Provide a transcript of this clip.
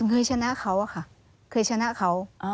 เคยชนะเขาอะค่ะเคยชนะเขา